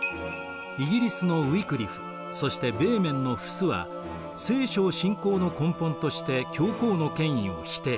イギリスのウィクリフそしてベーメンのフスは「聖書」を信仰の根本として教皇の権威を否定。